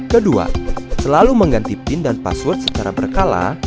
kedua selalu mengganti pin dan password secara berkala